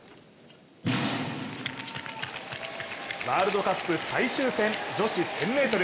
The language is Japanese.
ワールドカップ最終戦女子１０００ｍ。